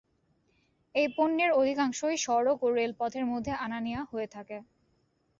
এই পণ্যের অধিকাংশই সড়ক ও রেল পথের মধ্যে আনা নেয়া হয়ে থাকে।